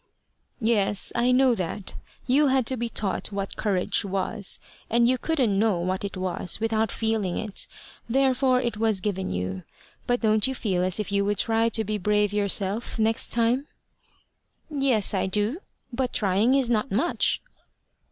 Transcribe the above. "Yes: I know that. You had to be taught what courage was. And you couldn't know what it was without feeling it: therefore it was given you. But don't you feel as if you would try to be brave yourself next time?" "Yes, I do. But trying is not much."